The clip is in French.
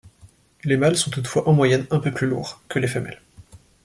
Les mâles sont toutefois en moyenne un peu plus lourds que les femelles.